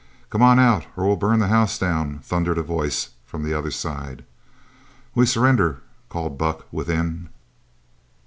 "Come out or we'll burn the house down!" thundered a voice from the other side. "We surrender!" called Buck within.